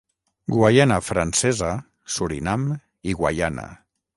Guaiana Francesa, Surinam i Guaiana.